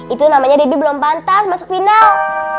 itu namanya debbie belum pantas masuk final